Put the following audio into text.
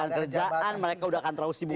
akan kerjaan mereka sudah akan terus dibuat